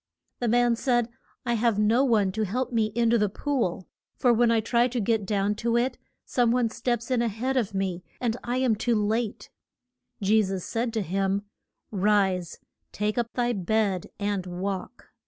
The man said, I have no one to help me in to the pool, for when I try to get down to it, some one steps in a head of me and I am too late. Je sus said to him, Rise, take up thy bed and walk.